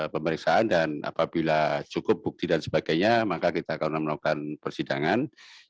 pemeriksaan dan apabila cukup bukti dan sebagainya maka kita akan melakukan persidangan